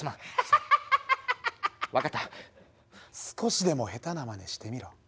少しでも下手なまねしてみろ。